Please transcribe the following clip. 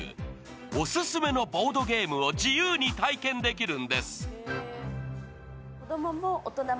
オススメのボードゲームを自由に体験できるんです。